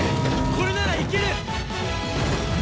これならいける！